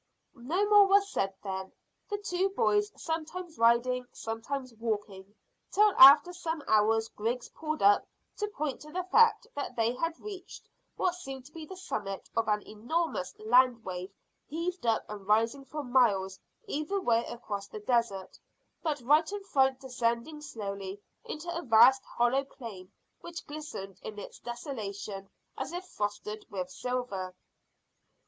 No more was said then, the two boys sometimes riding, sometimes walking, till after some hours Griggs pulled up, to point to the fact that they had reached what seemed to be the summit of an enormous land wave heaved up and rising for miles either way across the desert, but right in front descending slowly into a vast hollow plain which glistened in its desolation as if frosted with silver.